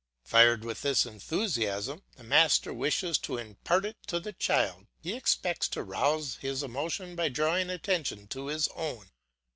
Fired with this enthusiasm, the master wishes to impart it to the child. He expects to rouse his emotion by drawing attention to his own.